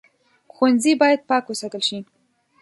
ښوونځی باید پاک وساتل شي